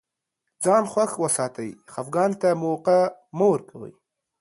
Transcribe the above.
ځان خوښ وساتئ خفګان ته موقع مه ورکوی